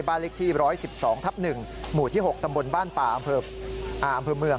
บ้านเล็กที่๑๑๒ทับ๑หมู่ที่๖ตำบลบ้านป่าอำเภอเมือง